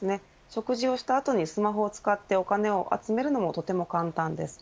食事をした後にスマホを使ってお金を集めるのにとても簡単です。